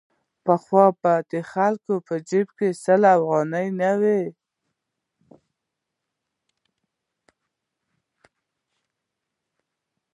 پخوا به د خلکو په جېب کې سل افغانۍ نه وې.